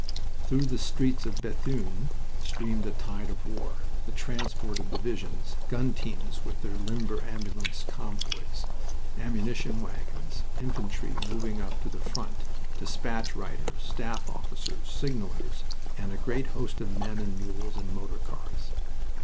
Through the streets of Bethune streamed a tide of war: the transport of divisions, gun teams with their limber ambulance convoys, ammunition wagons, infantry moving up to the front, despatch riders, staff officers, signalers, and a great host of men and mules and motor cars.